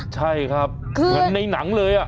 ใช่ครับมันในหนังเลยอะ